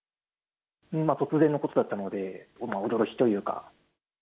突然のことだったので、驚きというか。